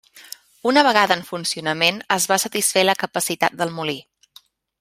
Una vegada en funcionament, es va satisfer la capacitat del molí.